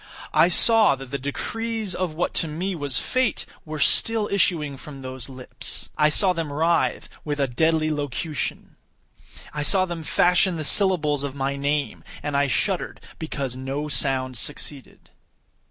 I saw that the decrees of what to me was Fate, were still issuing from those lips. I saw them writhe with a deadly locution. I saw them fashion the syllables of my name; and I shuddered because no sound succeeded.